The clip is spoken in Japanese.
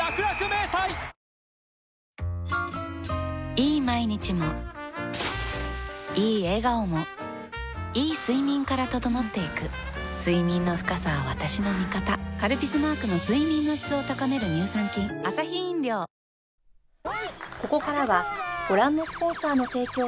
いい毎日もいい笑顔もいい睡眠から整っていく睡眠の深さは私の味方「カルピス」マークの睡眠の質を高める乳酸菌淡麗グリーンラベル